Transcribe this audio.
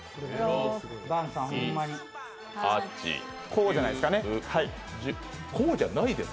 こうじゃないですかね。